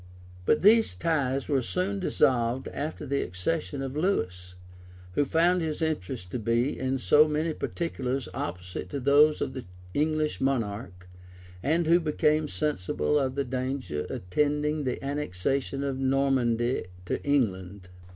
But these ties were soon dissolved after the accession of Lewis, who found his interests to be, in so many particulars opposite to those of the English monarch, and who became sensible of the danger attending the annexation of Normandy to England.